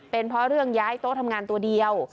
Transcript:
เป็นเพราะเรื่องย้ายโต๊ะทำงานตัวเดียว